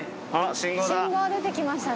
信号出てきましたね。